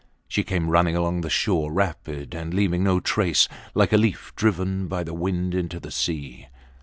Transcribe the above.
She came running along the shore, rapid and leaving no trace, like a leaf driven by the wind into the sea.